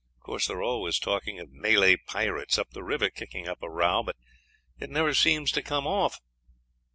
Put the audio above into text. Of course, they are always talking of Malay pirates up the river kicking up a row; but it never seems to come off."